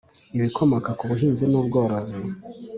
Ibikomoka ku buhinzi n ubworozi